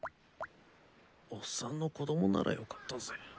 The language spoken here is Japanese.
おっさんの子供ならよかったぜ。